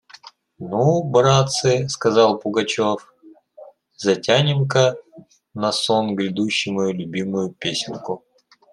«Ну, братцы, – сказал Пугачев, – затянем-ка на сон грядущий мою любимую песенку.